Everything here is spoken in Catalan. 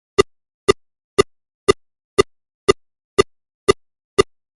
A cantar mal, no val; cantar bé entreté.